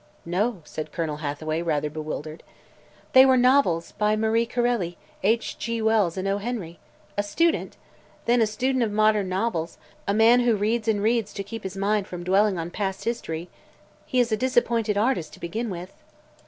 "No," said Colonel Hathaway, rather bewildered. "They were novels by Marie Correlli, H. G. Wells and O. Henry. A student? Then a student of modern novels, a man who reads and reads to keep his mind from dwelling on past history. He is a disappointed artist, to begin with."